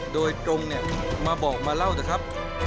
โดยตรงมาบอกมาเล่านะครับ